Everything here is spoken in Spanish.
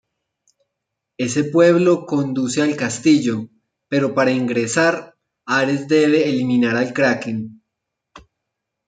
Ese pueblo conduce al castillo, pero para ingresar, Ares debe eliminar al Kraken.